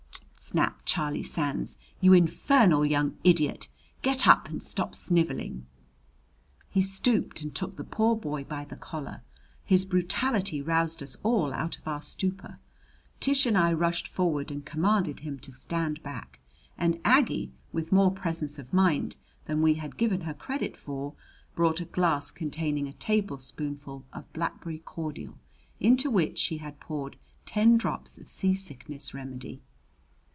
snapped Charlie Sands. "You infernal young idiot! Get up and stop sniveling!" He stooped and took the poor boy by the collar. His brutality roused us all out of our stupor. Tish and I rushed forward and commanded him to stand back; and Aggie, with more presence of mind than we had given her credit for, brought a glass containing a tablespoonful of blackberry cordial into which she had poured ten drops of seasickness remedy.